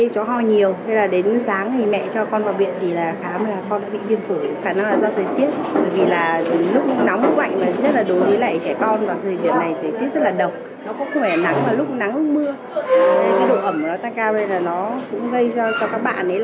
cháu ơi nha